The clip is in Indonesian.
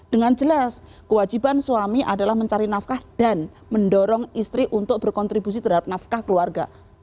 dengan jelas kewajiban suami adalah mencari nafkah dan mendorong istri untuk berkontribusi terhadap nafkah keluarga